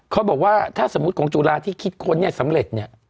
เขาบอกว่าถ้าสมมุติของจุฬาที่คิดค้นเนี่ยสำเร็จเนี่ย